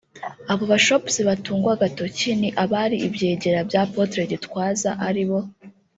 Abo Bashops batungwaga agatoki ni abari ibyegera bya Apotre Gitwaza ari bo